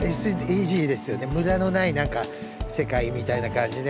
無駄のない何か世界みたいな感じで。